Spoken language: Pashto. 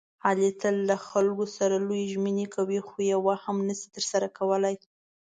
علي تل له خلکو سره لویې ژمنې کوي، خویوه هم نشي ترسره کولی.